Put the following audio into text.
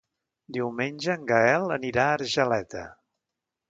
Diumenge en Gaël anirà a Argeleta.